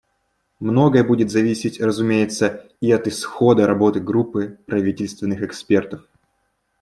Многое будет зависеть, разумеется, и от исхода работы группы правительственных экспертов.